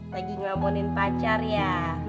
lagi ngelamunin pacar ya